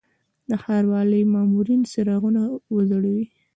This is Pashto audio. د ښاروالي مامورین څراغونه وځړوي.